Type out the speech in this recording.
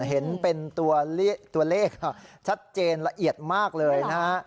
เห็นเป็นตัวเลขชัดเจนละเอียดมากเลยนะฮะ